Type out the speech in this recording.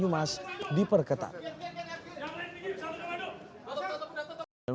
selain berhasil membuk